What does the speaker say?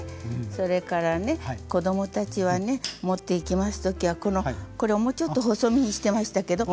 それからね子供たちはね持っていきます時はこれをもうちょっと細身にしてましたけど。